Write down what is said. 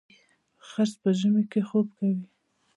خرس په ژمي کې خوب کوي